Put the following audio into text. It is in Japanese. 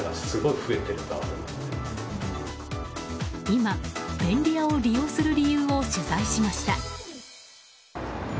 今、便利屋を利用する理由を取材しました。